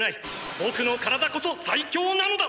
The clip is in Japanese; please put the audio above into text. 僕の体こそ最強なのだ！！